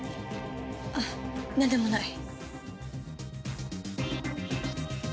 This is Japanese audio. あっなんでもない。